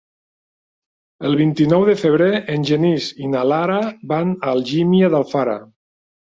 El vint-i-nou de febrer en Genís i na Lara van a Algímia d'Alfara.